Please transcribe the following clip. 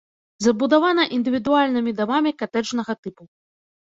Забудавана індывідуальнымі дамамі катэджнага тыпу.